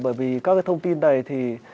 bởi vì các cái thông tin này thì